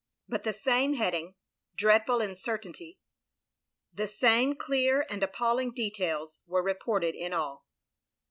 But the same heading — dreadful in certainty —the same clear and appalling details were reported in all.